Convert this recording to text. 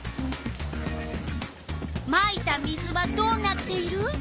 まいた水はどうなっている？